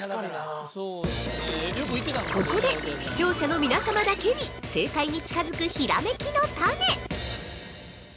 ◆ここで、視聴者の皆様だけに、正解に近づくひらめきのタネ！